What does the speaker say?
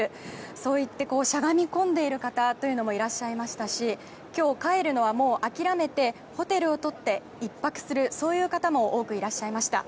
そう言ってしゃがみ込んでいる方もいらっしゃいましたし今日帰るのは諦めてホテルをとって１泊するそういう方も多くいらっしゃいました。